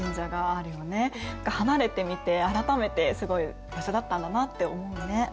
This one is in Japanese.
離れてみて改めてすごい場所だったんだなって思うね。